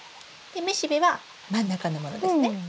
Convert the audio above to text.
雌しべは真ん中のものですね？